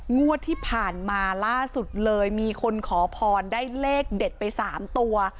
งวดที่ผ่านมาล่าสุดเลยมีคนขอพรได้เลขเด็ดไป๓ตัว